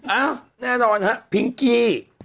อ้าวแน่นอนฮะพิงกี้